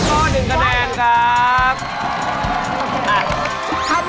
ทำมาได้ถึงข้อ๑คะแนนครับ